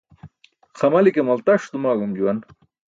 Xamli ke maltas dumaẏum juwan.